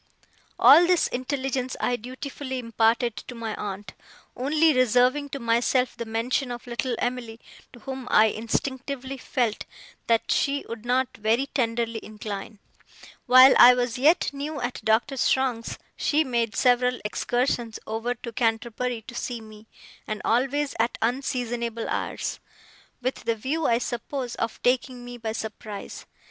All this intelligence I dutifully imparted to my aunt, only reserving to myself the mention of little Em'ly, to whom I instinctively felt that she would not very tenderly incline. While I was yet new at Doctor Strong's, she made several excursions over to Canterbury to see me, and always at unseasonable hours: with the view, I suppose, of taking me by surprise.